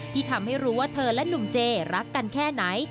ที่ทำให้รู้ว่าเธอและหนุ่มเจรักกันแค่ไหน